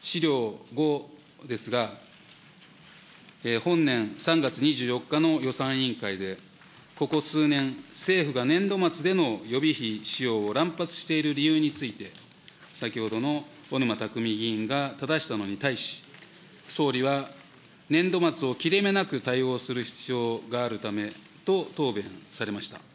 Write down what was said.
資料５ですが、本年３月２４日の予算委員会でここ数年、政府が年度末での予備費使用を乱発している理由について、先ほどのおぬまたくみ委員がただしたのに対し、総理は年度末を切れ目なく対応する必要があるためと答弁されました。